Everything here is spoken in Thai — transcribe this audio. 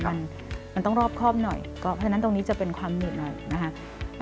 มันมันต้องรอบครอบหน่อยก็เพราะฉะนั้นตรงนี้จะเป็นความหนึบหน่อยนะครับ